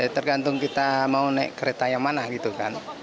tergantung kita mau naik kereta yang mana gitu kan